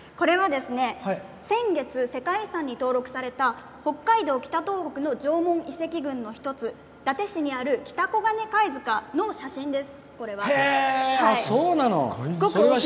これは先月世界遺産に登録された北海道北東北の縄文遺跡群の一つ伊達市にある北黄金貝塚の写真です。